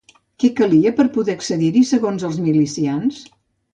Què calia per poder accedir-hi segons els milicians?